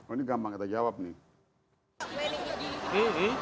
oh ini gampang kita jawab nih